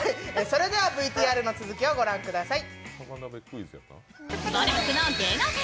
それではＶＴＲの続きを御覧ください